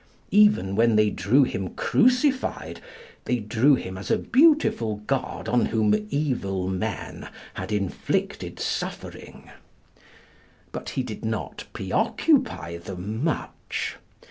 Even when they drew him crucified they drew him as a beautiful God on whom evil men had inflicted suffering. But he did not preoccupy them much.